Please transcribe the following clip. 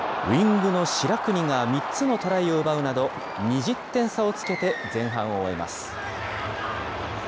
ウイングの白國が３つのトライを奪うなど、２０点差をつけて前半を終えます。